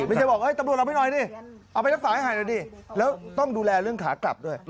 ไม่ใช่บอกตำรวจเราไปหน่อยดิเอาไปรักษาให้หน่อยดิแล้วต้องดูแลเรื่องขากลับด้วย